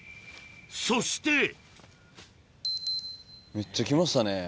そしてめっちゃ来ましたね。